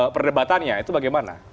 perdebatannya itu bagaimana